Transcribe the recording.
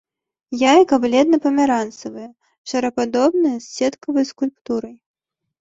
Яйка бледна-памяранцавае, шарападобнае, з сеткаватай скульптурай.